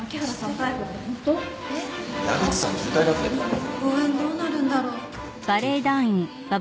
公演どうなるんだろう。